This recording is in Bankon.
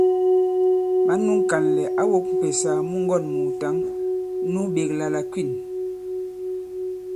Mǎn nu ŋ̀kànlɛ̀ ǎ wōk m̀pèsà mu ŋgɔ̂n-mùùtǎŋ nu ɓēkla la Kwîn.